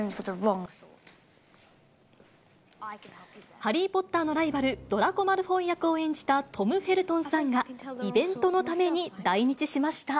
ハリー・ポッターのライバル、ドラコ・マルフォイ役を演じた、トム・フェルトンさんがイベントのために来日しました。